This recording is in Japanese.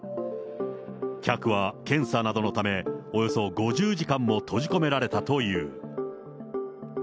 客は検査などのため、およそ５０時間も閉じ込められたという。